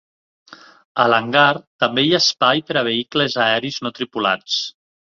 A l'hangar també hi ha espai per a vehicles aeris no tripulats.